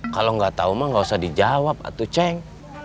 kalau gak tau mah gak usah dijawab atu ceng